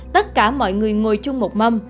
tất cả mọi người ngồi chung một mâm